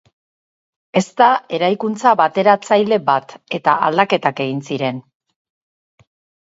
Ez da eraikuntza bateratzaile bat, eta aldaketak egin ziren.